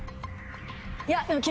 いやでも。